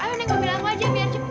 ayo nek ngambil aku aja biar cepat